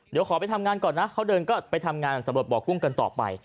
เดี๋ยวขอไปทำงานก่อนนะเขาเดินก็ไปทำงานสำรวจบ่อกุ้งกันต่อไป